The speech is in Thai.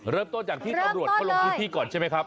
เริ่มต้นจากที่ตำรวจเขาลงพื้นที่ก่อนใช่ไหมครับ